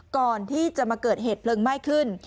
ก่อนที่จะมาเกิดเหตุเพลิงไหม้ขึ้น